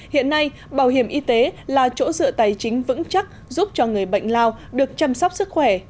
hiện nay bảo hiểm y tế là chỗ dựa tài chính vững chắc giúp cho người bệnh lao được chăm sóc sức khỏe